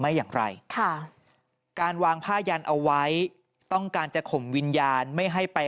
หลังจากพบศพผู้หญิงปริศนาตายตรงนี้ครับ